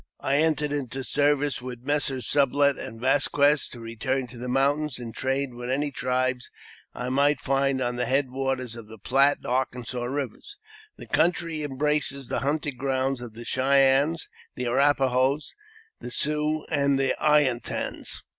I entered into service with Messrs. Sublet and Vasques to return to the mountains and trade with any tribes I might find on the head waters of the Platte and Arkansas rivers. This country embraces tha hunting grounds of the Cheyennes, the Arrap a hos, the Sioux,, and the I a tans.